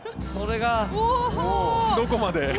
どこまで。